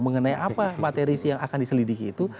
mengenai apa materi yang akan diselidiki itu